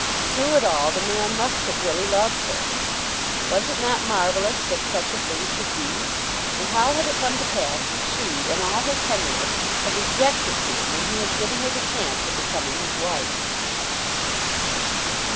Through it all the man must have really loved her! Was it not marvellous that such a thing should be? And how had it come to pass that she in all her tenderness had rejected him when he had given her the chance of becoming his wife?